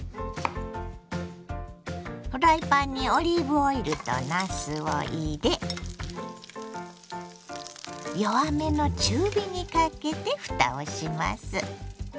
フライパンにオリーブオイルとなすを入れ弱めの中火にかけてふたをします。